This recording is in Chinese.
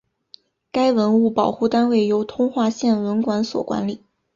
该文物保护单位由通化县文管所管理。